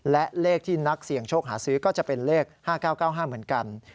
และเลขที่นักเสี่ยงโชคหาซื้อก็จะเป็นเลข๕๙๙๕เหมือนกัน